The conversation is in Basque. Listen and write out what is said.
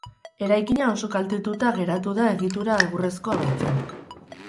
Eraikina oso kaltetuta geratu da egitura egurrezkoa baitzen.